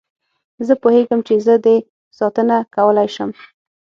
زه پوهېږم چې زه دې ساتنه کولای شم.